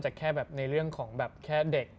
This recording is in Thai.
แค่แบบในเรื่องของแบบแค่เด็ก